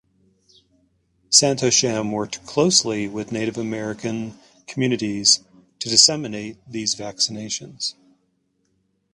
Santosham worked closely with Native American communities to disseminate these vaccinations.